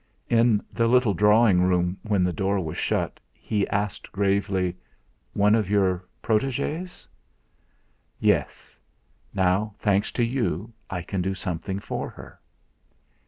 In the little drawing room when the door was shut, he asked gravely: "One of your protegees?" "Yes. Now thanks to you, I can do something for her."